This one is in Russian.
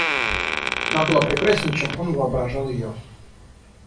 Она была прекраснее, чем он воображал ее.